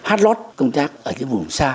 hát lót công tác ở những vùng xa